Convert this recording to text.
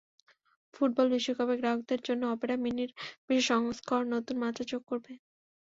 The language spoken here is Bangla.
ফুটবল বিশ্বকাপে গ্রাহকদের জন্য অপেরা মিনির বিশেষ সংস্করণ নতুন মাত্রা যোগ করবে।